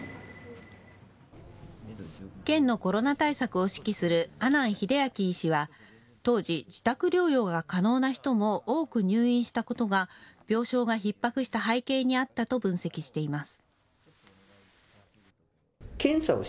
県のコロナ対策を指揮する阿南英明医師は、当時、自宅療養が可能な人も多く入院したことが病床がひっ迫した背景にあったと分析しています。